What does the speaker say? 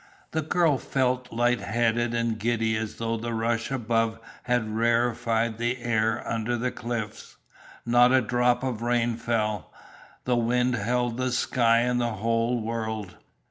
The girl felt light headed and giddy as though the rush above had rarefied the air under the cliffs. Not a drop of rain fell, the wind held the sky and the whole world.